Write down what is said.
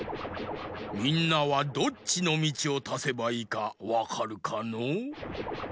みんなはどっちのみちをたせばいいかわかるかのう？